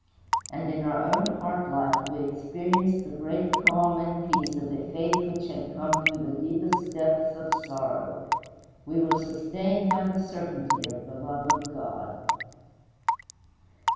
And in our own heart life we experienced the great calm and peace of a faith which had come through the deepest depths of sorrow. We were sustained by the certainty of the love of God.'